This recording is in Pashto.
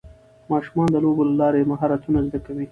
ماشومان د لوبو له لارې مهارتونه زده کوي